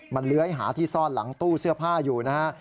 มันเลื้อยหาที่ซ่อนหลังตู้เสื้อผ้าอยู่นะฮะ